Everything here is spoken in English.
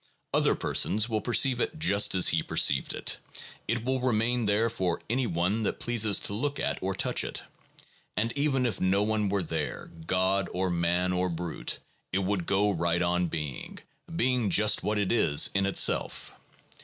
Other persons will perceive it just as he perceived it; it will remain therefor any one that pleases to look at or touch it. And even if no one were there, God or man .or brute, it would go right on being, being just what it is in itself.